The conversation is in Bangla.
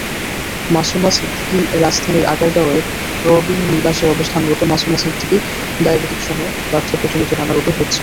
মাসুমা সিদ্দিকীরাজধানীর আগারগাঁওয়ে প্রবীণ নিবাসে অবস্থানরত মাসুমা সিদ্দিকী ডায়াবেটিকসহ বার্ধক্যজনিত নানা রোগে ভুগছেন।